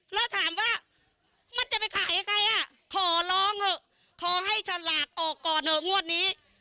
แล้วถามว่ามันจะไปขายยังไงอ่ะขอร้องเถอะขอให้ฉลากออกก่อนเถอะงวดนี้